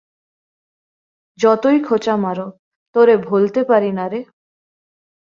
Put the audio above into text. যতই খোচা মারো, তোরে ভোলতে পারি নারে।